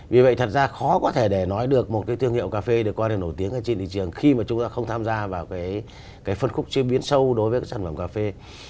vì vậy thật ra khó có thể để nói được một cái thương hiệu cà phê được coi là nổi tiếng ở trên thị trường khi mà chúng ta không tham gia vào cái phân khúc chế biến sâu đối với các sản phẩm cà phê